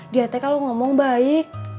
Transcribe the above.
dia kalau ngomong baik